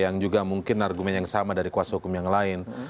yang juga mungkin argumen yang sama dari kuasa hukum yang lain